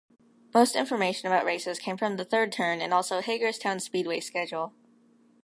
Most information about races came from The Third Turn and also Hagerstown Speedway schedule.